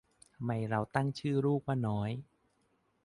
ทำไมเราถึงตั้งชื่อลูกว่าน้อย